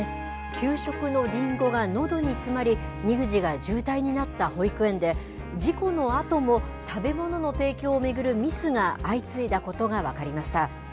給食のりんごがのどに詰まり、乳児が重体になった保育園で、事故のあとも食べ物の提供を巡るミスが相次いだことが分かりました。